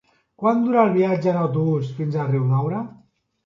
Quant dura el viatge en autobús fins a Riudaura?